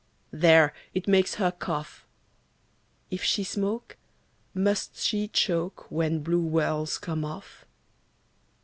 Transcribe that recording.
There! it makes her cough. If she smoke, must she choke When blue whirls come off?